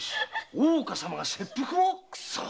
大岡様が切腹を⁉クソッ！